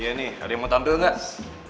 iya nih ada yang mau tandul nggak